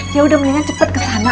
yaudah mendingan cepet kesana